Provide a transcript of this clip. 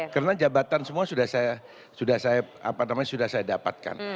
karena jabatan semua sudah saya dapatkan